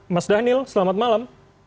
mas dhanil selamat malam